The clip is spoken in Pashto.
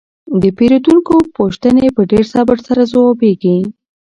د پیرودونکو پوښتنې په ډیر صبر سره ځوابیږي.